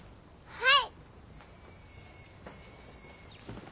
はい。